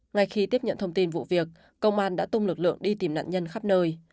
ngay khi tiếp nhận thông tin vụ việc công an đã tung lực lượng đi tìm nạn nhân khắp nơi